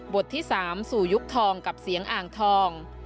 ที่๓สู่ยุคทองกับเสียงอ่างทอง